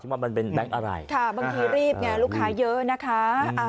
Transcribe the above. ว่ามันเป็นแบงค์อะไรค่ะบางทีรีบไงลูกค้าเยอะนะคะ